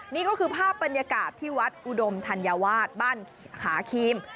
นี่ก็คือภาพปัญญากาธิวัฒน์อุดมธัญวาชบ้านขาคิม